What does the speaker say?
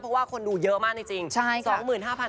เพราะว่าคนดูเยอะมากจริง